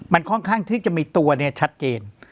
มันค่อนข้างที่จะมีตัวเนี่ยชัดเจน